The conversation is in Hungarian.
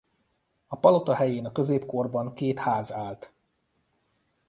A palota helyén a középkorban két ház állt.